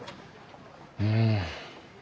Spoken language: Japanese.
うん。